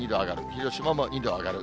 広島も２度上がる。